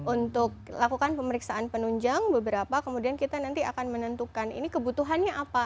untuk lakukan pemeriksaan penunjang beberapa kemudian kita nanti akan menentukan ini kebutuhannya apa